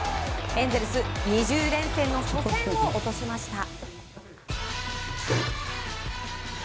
エンゼルス２０連戦の初戦を落としました。